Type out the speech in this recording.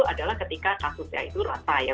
adalah ketika kasusnya itu rata ya